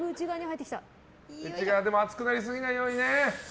内側が厚くなりすぎないようにね。